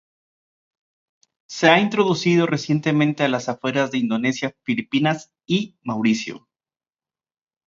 Se ha introducido recientemente a las afueras de Indonesia, Filipinas y Mauricio.